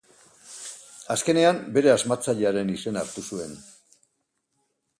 Azkenean, bere asmatzailearen izena hartu zuen.